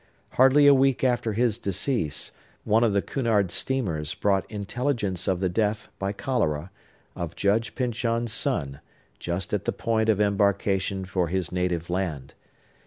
Hardly a week after his decease, one of the Cunard steamers brought intelligence of the death, by cholera, of Judge Pyncheon's son, just at the point of embarkation for his native land.